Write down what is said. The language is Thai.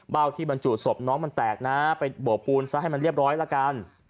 ที่บรรจุศพน้องมันแตกนะไปโบกปูนซะให้มันเรียบร้อยละกัน